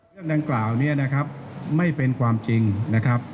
เรื่องดังกล่าวนี้นะครับไม่เป็นความจริงนะครับ